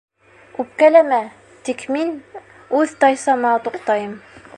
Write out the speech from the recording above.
Үпкәләмә, тик мин... үҙ тайсама туҡтайым.